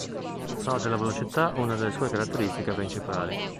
Fa della velocità una delle sue caratteristiche principali.